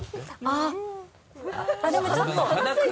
あぁっでもちょっと。